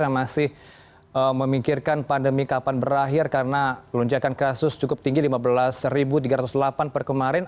yang masih memikirkan pandemi kapan berakhir karena lonjakan kasus cukup tinggi lima belas tiga ratus delapan per kemarin